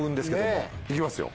いきますよ。